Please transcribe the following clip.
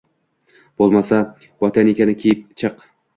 Bo‘lmasa, botinkangni kiyib chiq.